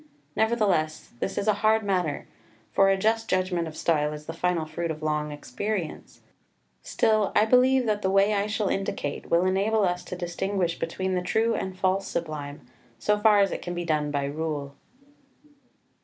Nevertheless this is a hard matter; for a just judgment of style is the final fruit of long experience; still, I believe that the way I shall indicate will enable us to distinguish between the true and false Sublime, so far as it can be done by rule.